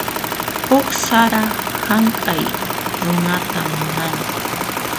Huk sara hank'aq runata munani.